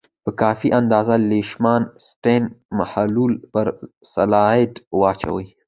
په کافي اندازه لیشمان سټین محلول پر سلایډ واچوئ.